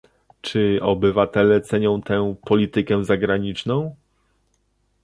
Czy obywatele cenią tę politykę zagraniczną?